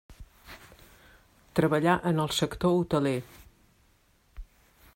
Treballà en el sector hoteler.